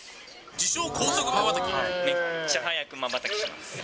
自称、めっちゃ速くまばたきします。